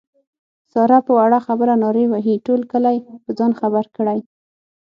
ساره په وړه خبره نارې وهي ټول کلی په ځان خبر کړي.